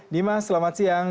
dimas selamat siang